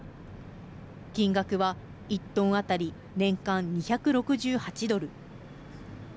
金額は１トン当たり年間２６８ドル。